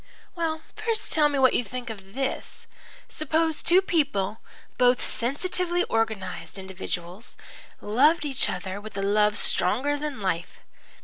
"Well, first tell me what you think of this. Suppose two people, both sensitively organized individuals, loved each other with a love stronger than life.